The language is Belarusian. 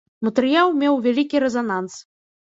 Матэрыял меў вялікі рэзананс.